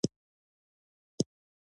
نه به واخلي تر قیامته عبرتونه